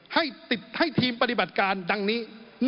ให้ทีมปฏิบัติการดังนี้